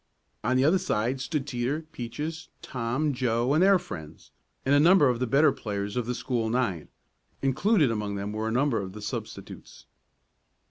On the other side stood Teeter, Peaches, Tom, Joe and their friends, and a number of the better players of the school nine. Included among them were a number of the substitutes.